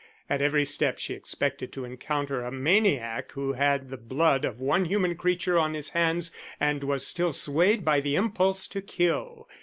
At every step she expected to encounter a maniac who had the blood of one human creature on his hands and was still swayed by the impulse to kill.